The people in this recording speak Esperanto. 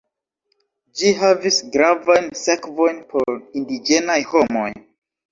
Ĝi havis gravajn sekvojn por indiĝenaj homoj.